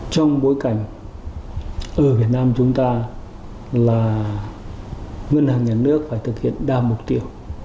trong bối cảnh ở việt nam chúng ta là ngân hàng nhà nước phải thực hiện đa mục tiêu